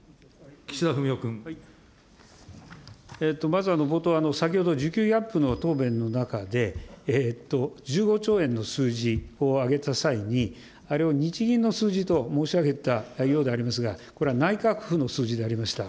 まず、冒頭、先ほど需給ギャップの答弁の中で、１５兆円の数字を挙げた際に、あれを日銀の数字と申し上げたようでありますが、これは内閣府の数字でありました。